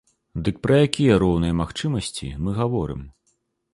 Дык пра якія роўныя магчымасці мы гаворым?